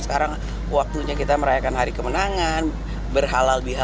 sekarang waktunya kita merayakan hari kemenangan berhalal bihala